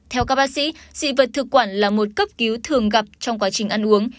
theo các bác sĩ dị vật thực quản là một cấp cứu thường gặp trong quá trình ăn uống